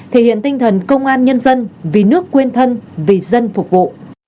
thể hiện tinh thần công an nhân dân vì nước quên thân vì dân phục vụ